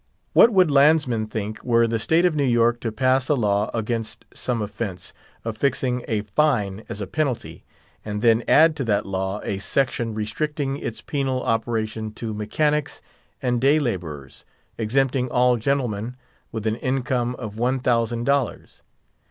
What would landsmen think, were the State of New York to pass a law against some offence, affixing a fine as a penalty, and then add to that law a section restricting its penal operation to mechanics and day laborers, exempting all gentlemen with an income of one thousand dollars?